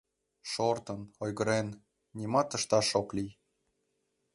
Шортын, ойгырен, нимат ышташ ок лий.